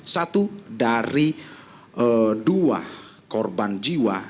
satu dari dua korban jiwa